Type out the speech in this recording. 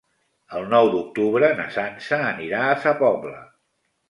El nou d'octubre na Sança anirà a Sa Pobla.